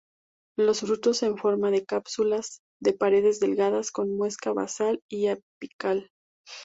Los frutos en forma de cápsulas de paredes delgadas, con muesca basal y apical.